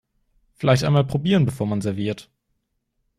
Vielleicht einmal probieren, bevor man serviert.